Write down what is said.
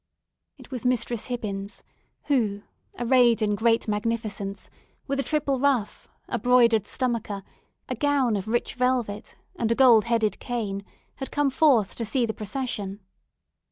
It was Mistress Hibbins, who, arrayed in great magnificence, with a triple ruff, a broidered stomacher, a gown of rich velvet, and a gold headed cane, had come forth to see the procession.